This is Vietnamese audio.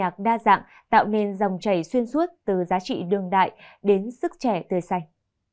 hoạt động âm nhạc đa dạng tạo nên dòng chảy xuyên suốt từ giá trị đương đại đến sức trẻ tươi xanh